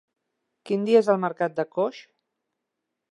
Quin dia és el mercat de Coix?